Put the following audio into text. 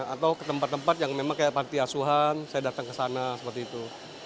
atau ke tempat tempat yang memang kayak panti asuhan saya datang ke sana seperti itu